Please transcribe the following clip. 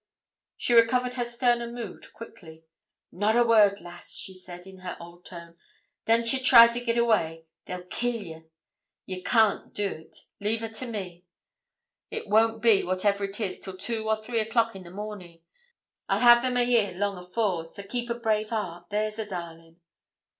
She recovered her sterner mood quickly 'Not a word, lass,' she said, in her old tone. 'Don't ye try to git away they'll kill ye ye can't do't. Leave a' to me. It won't be, whatever it is, till two or three o'clock in the morning. I'll ha'e them a' here long afore; so keep a brave heart there's a darling.'